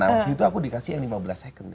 nah waktu itu aku dikasih yang lima belas second